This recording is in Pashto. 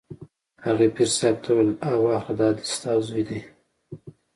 هغې پیر صاحب ته وویل: ها واخله دا دی ستا زوی دی.